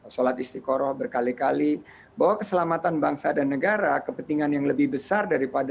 sholat istiqoroh berkali kali bahwa keselamatan bangsa dan negara kepentingan yang lebih besar daripada